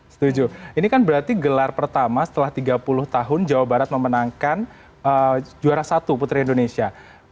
setuju ini kan berarti gelar pertama setelah tiga puluh tahun jawa barat memenangkan juara satu putri indonesia